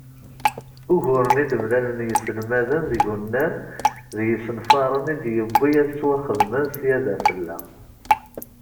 Uguren i d-mlalen yiselmaden deg unnar d yisenfaren i d-yuwi ad ttwaxedmen sya d afella.